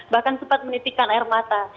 bahkan sempat menitikan air mata